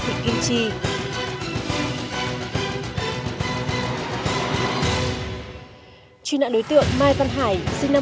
quyết định truy nã số một mươi ba ngày một mươi sáu tháng một mươi năm hai nghìn một mươi chín